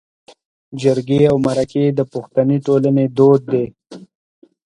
جرګې او مرکې د پښتني ټولنې دود دی